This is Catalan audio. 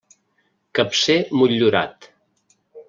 Capcer motllurat.